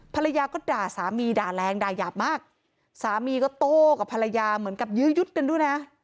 ภรรยาก็ด่าสามีด่าแรงด่ายาบมากสามีก็โต้กับภรรยาเหมือนกับยื้อยุดกันด้วยนะ